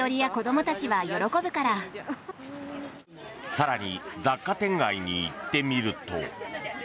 更に雑貨店街に行ってみると。